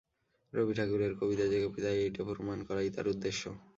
রবি ঠাকুরের কবিতা যে কবিতাই এইটে প্রমাণ করাই তার উদ্দেশ্য।